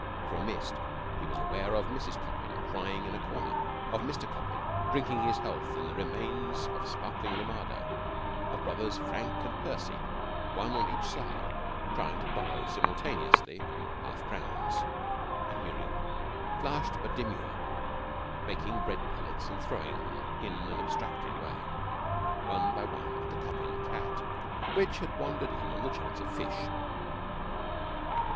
Through a mist he was aware of Mrs. Coppin crying in a corner, of Mr. Coppin drinking his health in the remains of sparkling limado, of Brothers Frank and Percy, one on each side trying to borrow simultaneously half crowns, and of Muriel, flushed but demure, making bread pellets and throwing them in an abstracted way, one by one, at the Coppin cat, which had wandered in on the chance of fish.